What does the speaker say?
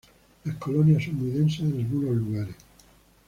Las colonias son muy densas en algunos lugares.